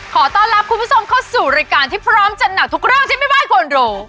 ขอต้อนรับคุณผู้ชมเข้าสู่รายการที่พร้อมจัดหนักทุกเรื่องที่แม่บ้านควรรู้